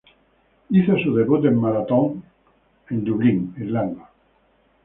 Hizo su debut en maratón en Dublín, Irlanda.